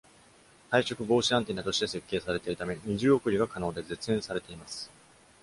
退色防止アンテナとして設計されているため、二重送りが可能で絶縁されています。